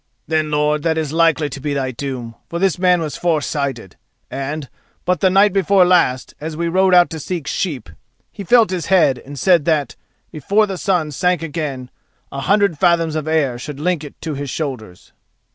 "Then, lord, that is likely to be thy doom, for this man was foresighted, and, but the night before last, as we rode out to seek sheep, he felt his head, and said that, before the sun sank again, a hundred fathoms of air should link it to his shoulders."